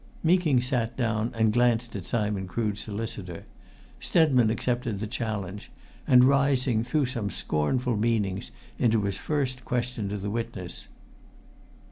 Meeking sat down and glanced at Simon Crood's solicitor. Stedman accepted the challenge and, rising, threw some scornful meaning into his first question to the witness.